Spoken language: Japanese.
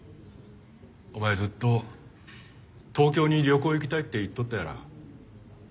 ずっと東京に旅行行きたいって言っとったやら。